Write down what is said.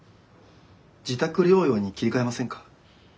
自宅療養に切り替えませんか？